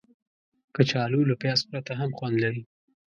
کچالو له پیاز پرته هم خوند لري